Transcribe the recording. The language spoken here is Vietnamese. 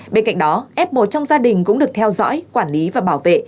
bên cạnh đó f một trong gia đình cũng được theo dõi quản lý và bảo vệ